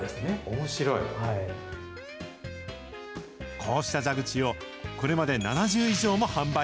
こうした蛇口をこれまで７０以上も販売。